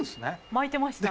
巻いてましたね。